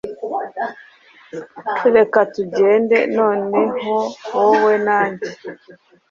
Reka tugende nonehowowe na njye